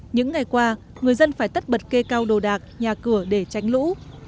những ngày qua người dân phải tất bật kê cao đồ đạc nhà cửa để tránh lũ